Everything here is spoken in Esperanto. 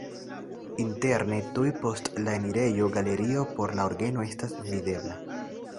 Interne tuj post le enirejo galerio por la orgeno estas videbla.